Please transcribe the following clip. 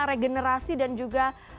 regenerasi dan juga